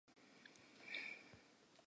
Etsa tanka ya ho boloka ditlhapi.